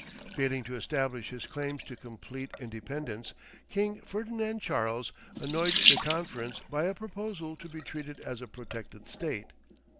Failing to establish his claims to complete independence, King Ferdinand Charles annoyed the conference by a proposal to be treated as a protected state.